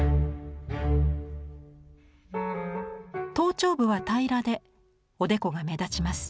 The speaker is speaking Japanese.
頭頂部は平らでおでこが目立ちます。